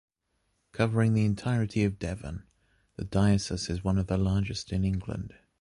Covering the entirety of Devon, the diocese is one of the largest in England.